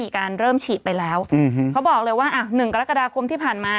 เขาบอกเลยว่าหนึ่งกรกฎาคมที่ผ่านมา